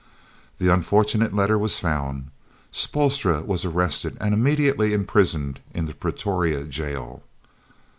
The unfortunate letter was found, Spoelstra was arrested and immediately imprisoned in the Pretoria Jail.